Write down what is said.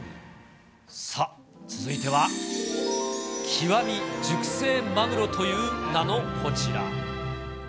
さあ、続いては極み熟成まぐろという名のこちら。